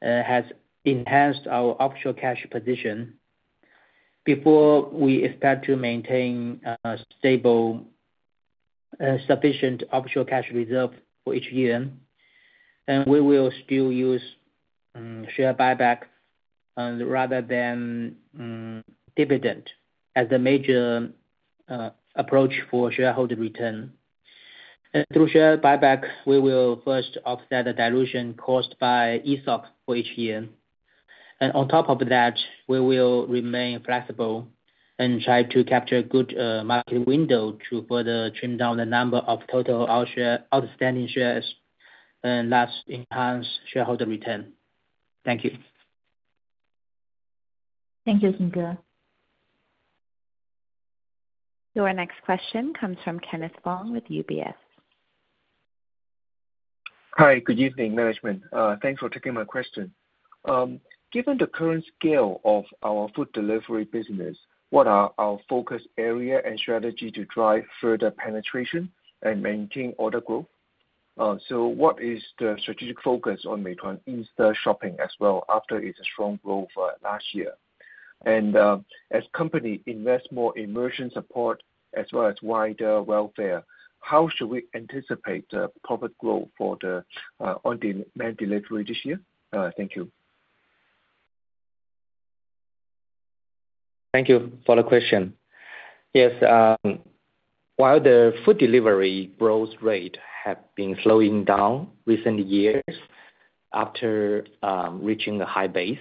this has enhanced our offshore cash position before. We expect to maintain stable sufficient offshore cash reserve for each year and we will still use share buyback rather than dividend as the major approach for shareholder return. Through share buyback we will first offset the dilution caused by ESOP for each year and on top of that we will remain flexible and try to capture good market window to further trim down the number of total outstanding shares and thus enhance shareholder return. Thank you. Thank you. Your next question comes from Kenneth Wong with UBS. Hi, good evening management. Thanks for taking my question. Given the current scale of our food delivery business, what are our focus area and strategy to drive further penetration and maintain order growth? What is the strategic focus on Meituan Instant Shopping as well? After its strong growth last year and as company invest more in merchant support as well as wider welfare, how should we anticipate profit growth for the on demand delivery this year? Thank you, thank you for the question. Yes, while the food delivery growth rate have been slowing down recent years after reaching a high base,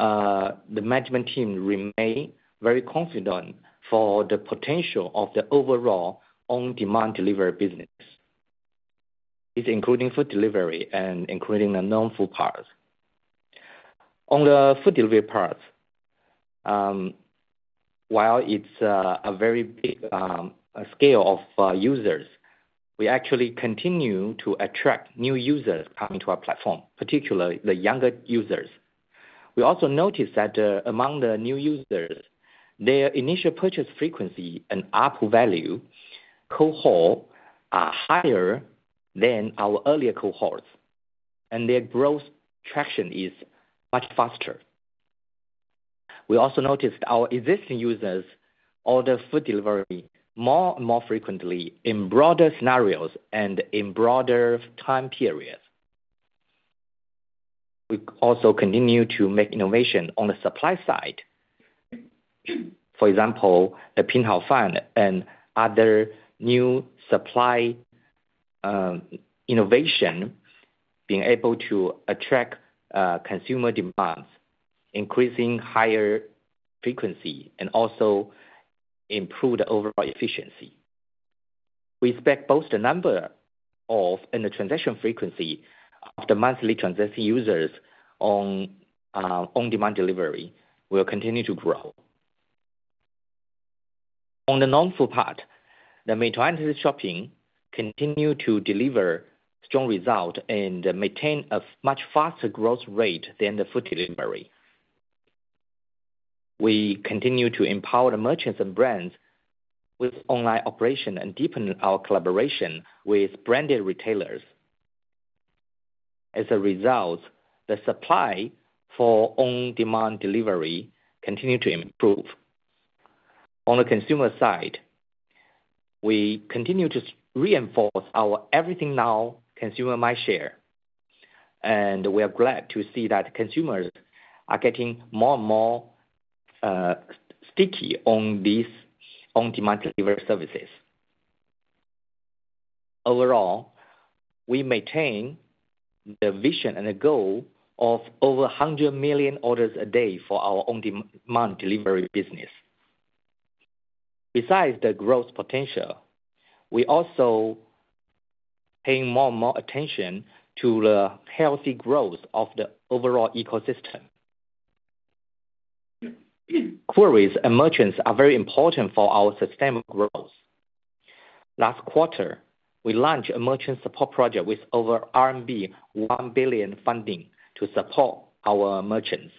the management team remain very confident for the potential of the overall on demand delivery business including food delivery and including the non food parts. On the food delivery part, while it's a very big scale of users, we actually continue to attract new users coming to our platform, particularly the younger users. We also noticed that among the new users, their initial purchase frequency and ARPU value cohort are higher than our earlier cohorts and their growth traction is much faster. We also noticed our existing users order food delivery more and more frequently in broader scenarios and in broader time periods. We also continue to make innovation on the supply side, for example, the Pin Hao Fan and other new supply innovation being able to attract consumer demands, increasing higher frequency and also improved overall efficiency. We expect both the number of and the transaction frequency of the monthly transaction users on demand delivery will continue to grow. On the non-food part, the Meituan Instashopping continues to deliver strong results and maintain a much faster growth rate than the food delivery. We continue to empower the merchants and brands with online operation and deepen our collaboration with branded retailers. As a result, the supply for on-demand delivery continues to improve. On the consumer side, we continue to reinforce our everything now consumer mindshare and we are glad to see that consumers are getting more and more sticky on these on-demand delivery services. Overall, we maintain the vision and the goal of over 100 million orders a day for our on-demand delivery business. Besides the growth potential, we are also paying more and more attention to the healthy growth of the overall ecosystem. Queries and merchants are very important for our sustainable growth. Last quarter we launched a merchant support project with over RMB 1.1 billion funding to support our merchants.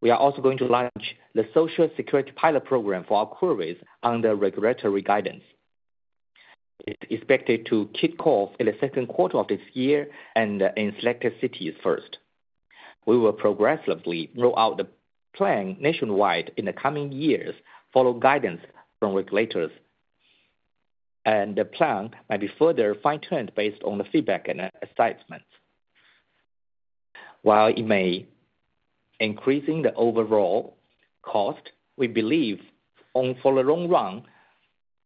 We are also going to launch the Social Security pilot program for our couriers under regulatory guidance. It is expected to kick off in the second quarter of this year and in selected cities. First, we will progressively roll out the plan nationwide in the coming years. Follow guidance from regulators and the plan may be further fine tuned based on the feedback and assessments. While it may increase the overall cost, we believe for the long run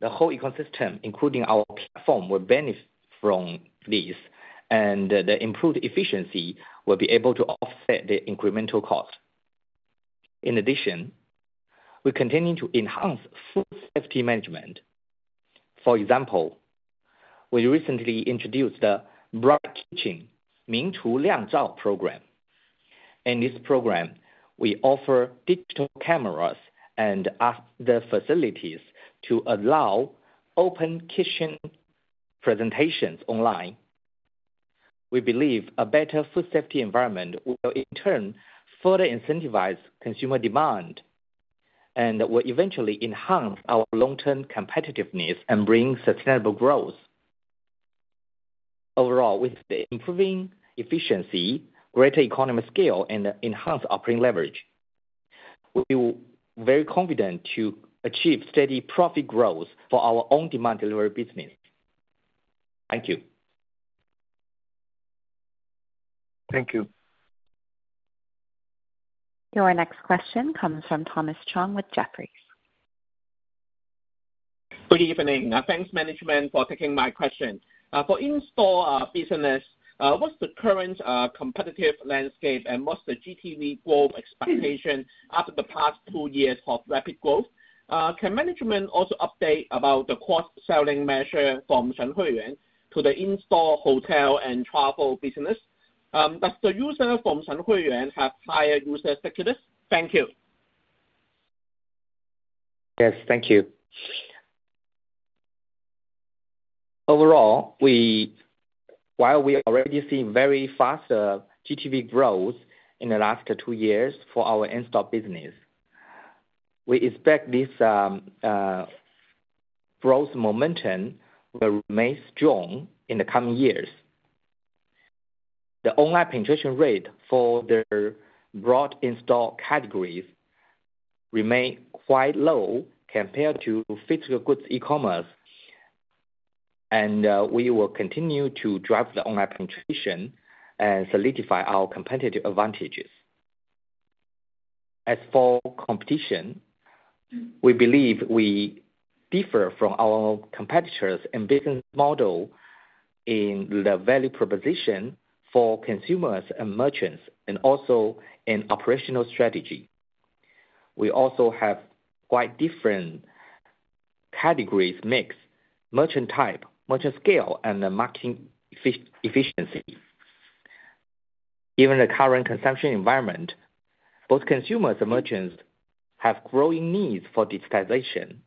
the whole ecosystem including our platform will benefit from this and the improved efficiency will be able to offset the incremental cost. In addition, we continue to enhance food safety management. For example, we recently introduced the Bright Kitchen Ming Chu Liang Zhao program. In this program we offer digital cameras and the facilities to allow open kitchen presentations online. We believe a better food safety environment will in turn further incentivize consumer demand and will eventually enhance our long term competitiveness and bring sustainable growth. Overall with the improving efficiency, greater economy scale and enhanced operating leverage, we feel very confident to achieve steady profit growth for our on-demand delivery business. Thank you. Thank you. Your next question comes from Thomas Chong with Jefferies. Good evening. Thanks management for taking my question. For in-store business, what's the current competitive landscape and what's the GTV growth expectation after the past two years of rapid growth? Can management also update about the cross-selling measure from Shen Hui Yuan to the in-store, hotel and travel business? Does the user from Shen Hui Yuan have higher user stickiness? Thank you. Yes, thank you. Overall, while we already see very fast GTV growth in the last two years for our in-store business, we expect this g rowth momentum will remain strong in the coming years. The online penetration rate for the broad in-store categories remains quite low compared to physical goods e-commerce, and we will continue to drive the online penetration and solidify our competitive advantages. As for competition, we believe we differ from our competitors in business model, in the value proposition for consumers and merchants, and also in operational strategy. We also have quite different category mix, merchant type, merchant scale, and marketing efficiency. Given the current consumption environment, both consumers and merchants have growing needs for digitization.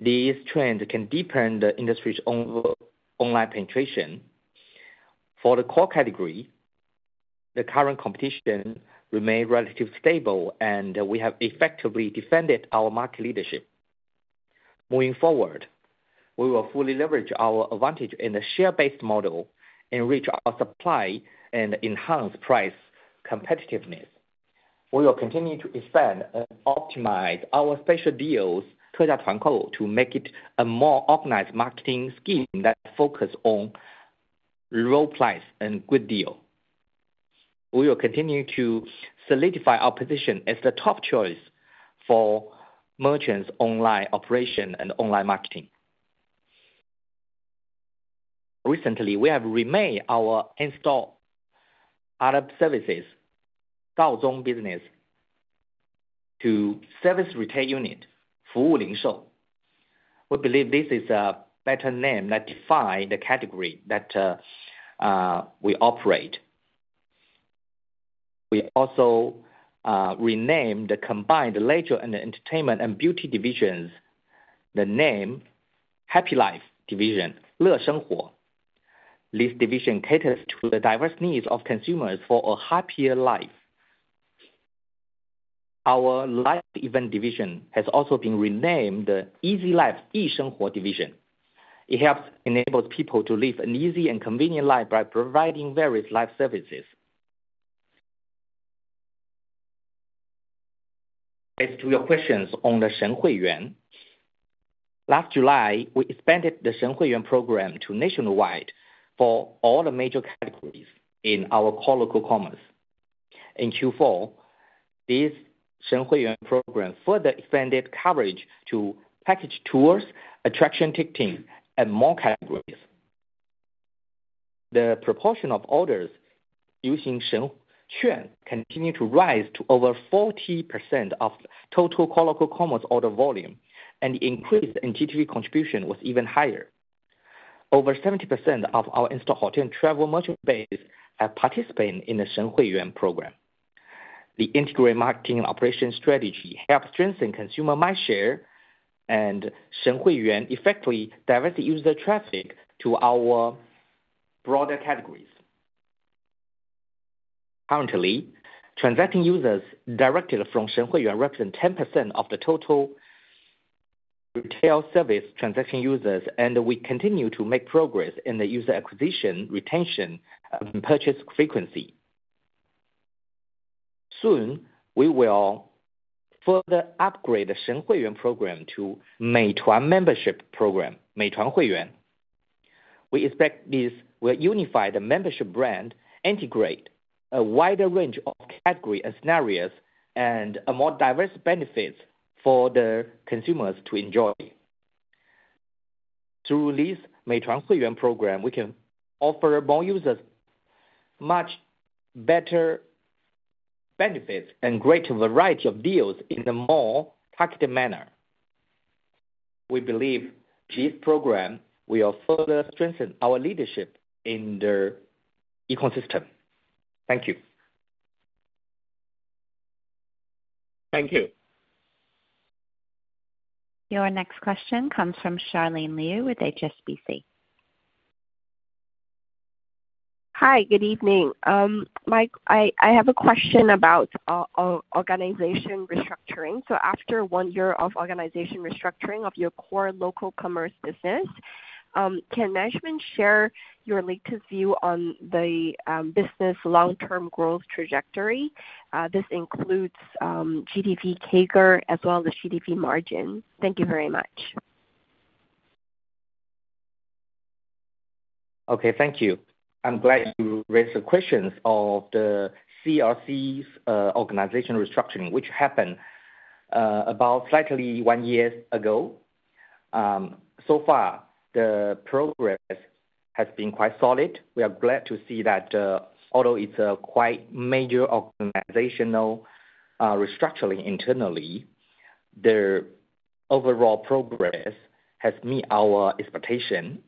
These trends can deepen the industry's online penetration. For the core category, the current competition remains relatively stable, and we have effectively defended our market leadership. Moving forward, we will fully leverage our advantage in the shelf-based model and enrich our supply and enhance price competitiveness. We will continue to expand and optimize our special deals to make it a more organized marketing scheme that focus on low price, and good deal. We will continue to solidify our position as the top choice for merchants' online operation and online marketing. Recently, we have remade our In-store Services (Dao Dian) business to Service Retail Unit Fu Wu Ling Shou. We believe this is a better name that defines the category that we operate. We also renamed the combined leisure and entertainment and beauty divisions the name Happy Life Division. This division caters to the diverse needs of consumers for a happier life. Our Life Services division has also been renamed Easy Life Yishenghuo Division. It helps enable people to live an easy and convenient life by providing various life services. As to your questions on the Shen Hui Yuan, last July we expanded the Shen Hui Yuan program to nationwide for all the major categories in our core local commerce. In Q4, this Shen Hui Yuan program further extended coverage to package tours, attraction ticketing, and more categories. The proportion of orders using [inaudible] continued to rise to over 40% of total core local commerce order volume and the increase in GTV contribution was even higher. Over 70% of our in-store hotel travel merchant base are participating in the Shen Hui Yuan program. The integrated marketing and operations strategy helps strengthen consumer mindshare and Shen Hui Yuan effectively. Diverse user traffic to our broader categories currently transacting users directed from Shen Hui represent 10% of the total retail service transaction users and we continue to make progress in the user acquisition, retention, and purchase frequency. Soon we will further upgrade the Shen Hui Yuan program to Meituan Membership Program. We expect this will unify the membership brand, integrate a wider range of categories and scenarios, and a more diverse benefit for the consumers to enjoy. Through this Shen Hui Yuan program, we can offer more users much better benefits and greater variety of deals in a more fast manner, we believe this program will further strengthen our leadership in the ecosystem. Thank you. Thank you. Your next question comes from Charlene Liu with HSBC. Hi, good evening. I have a question about organization restructuring. After one year of organization restructuring of your core local commerce business, can management share your latest view on the business long term growth trajectory? This includes GTV CAGR as well as GTV margin. Thank you very much. Okay, thank you. I'm glad you raised the questions of the CLC's organization restructuring which happened about slightly one year ago. So far the progress has been quite solid. We are glad to see that although it's a quite major organizational restructuring internally, the overall progress has met our expectation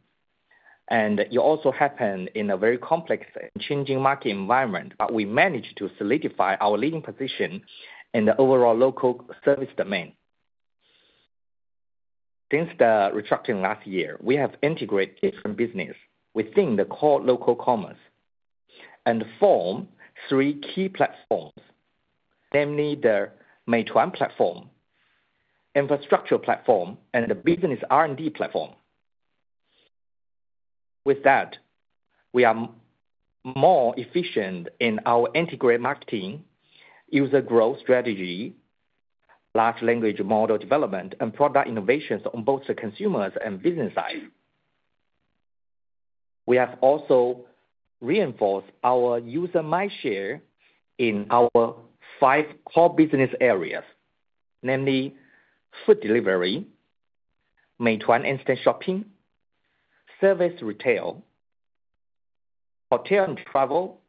and it also happened in a very complex changing market environment, but we managed to solidify our leading position and the overall local service domain. Since the restructuring last year, we have integrated different business within the core local commerce and form three key platforms, namely the Meituan Platform, Infrastructure Platform, and the Business R&D Platform. With that we are more efficient in our integrated marketing, user growth strategy, large language model development, and product innovations on both the consumers and business side. We have also reinforced our user mindshare in our five core business areas, namely food delivery, Meituan Instant Shopping, Service Retail, hotel and travel,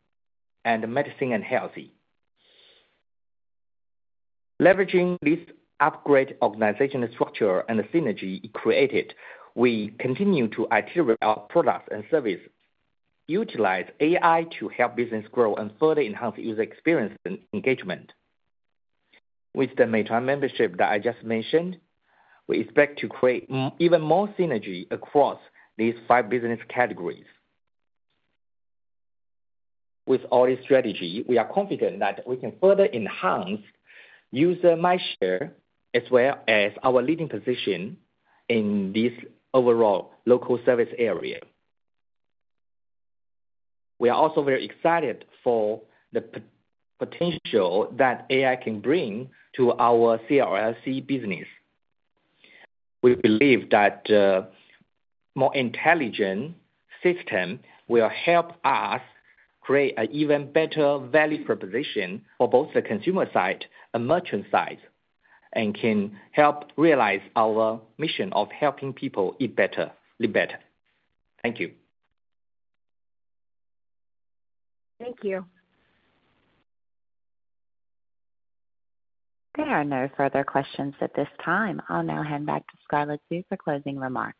and medicine and health. Leveraging this upgraded organization structure and the synergy it created, we continue to iterate our products and services, utilize AI to help business grow, and further enhance user experience and engagement. With the Meituan Membership that I just mentioned, we expect to create even more synergy across these five business categories. With our strategy, we are confident that we can further enhance user mindshare as well as our leading position in this overall local service area. We are also very excited for the potential that AI can bring to our CLC business. We believe that more intelligent system will help us create an even better value proposition for both the consumer side and merchant side and can help realize our mission of helping people eat better, live better. Thank you. Thank you. There are no further questions at this time. I'll now hand back to Scarlett Xu for closing remarks.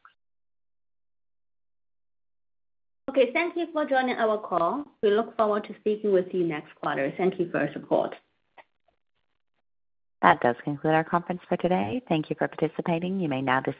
Okay, thank you for joining our call. We look forward to speaking with you next quarter. Thank you for your support. That does conclude our conference for today. Thank you for participating. You may now disconnect.